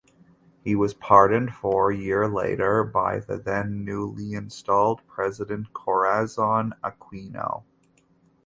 He was pardoned four year later by the then newly installed President Corazon Aquino.